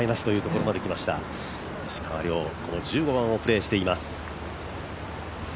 この１５番をプレーしています。